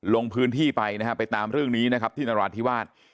ลงพื้นที่ไปนะฮะไปตามเรื่องนี้นะครับที่นราธิวาส